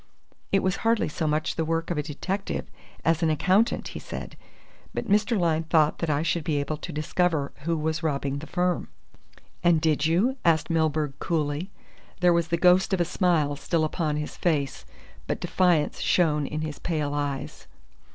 It was hardly so much the work of a detective as an accountant," he said, "but Mr. Lyne thought that I should be able to discover who was robbing the firm." "And did you?" asked Milburgh coolly. There was the ghost of a smile still upon his face, but defiance shone in his pale eyes.